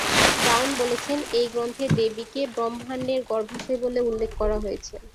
Brown বলেছেন, এই গ্রন্থে দেবীকে ‘ব্রহ্মাণ্ডের গর্ভাশয়’ বলে উল্লেখ করা হয়েছে।